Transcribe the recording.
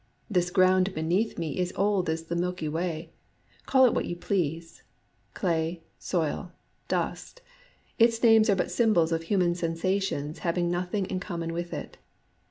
This ground beneath me is old as the Milky Way. Call it what you please, — clay, soil, dust: its names are but symbols of human sensations having no thing in common with it.